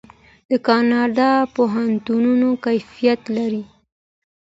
د کاناډا پوهنتونونه کیفیت لري.